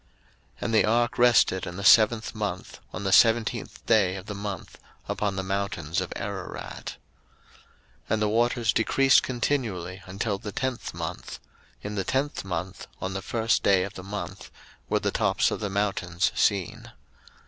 01:008:004 And the ark rested in the seventh month, on the seventeenth day of the month, upon the mountains of Ararat. 01:008:005 And the waters decreased continually until the tenth month: in the tenth month, on the first day of the month, were the tops of the mountains seen.